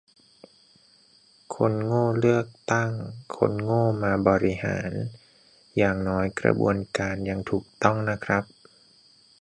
คนโง่เลือกตั้งคนโง่มาบริหาร อย่างน้อยกระบวนการยังถูกต้องนะครับ